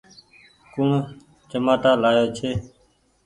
ڪوڻ چمآٽآ لآيو ڇي۔